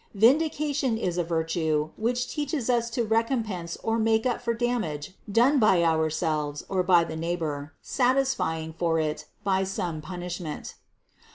Vindication is a virtue, which teaches us to recompense or make up for damage done by our selves or by the neighbor, satisfying for it by some pun ishment.